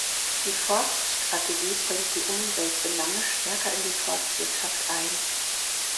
Die Forststrategie bringt die Umweltbelange stärker in die Forstwirtschaft ein.